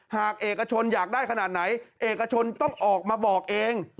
หากเอกชนอยากได้ขนาดไหนเอกชนต้องออกมาบอกเอง